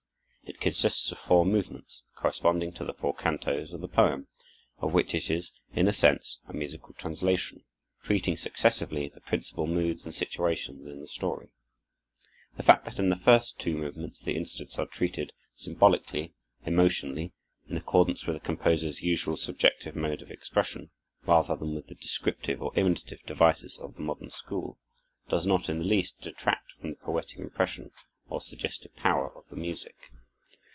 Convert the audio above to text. It consists of four movements, corresponding to the four cantos of the poem, of which it is, in a sense, a musical translation, treating successively the principal moods and situations in the story. The fact that in the first two movements the incidents are treated symbolically, emotionally, in accordance with the composer's usual subjective mode of expression, rather than with the descriptive or imitative devices of the modern school, does not in the least detract from the poetic impression or suggestive power of the music.